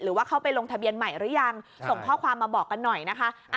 หรือว่าเข้าไปลงทะเบียนใหม่หรือยังส่งข้อความมาบอกกันหน่อยนะคะ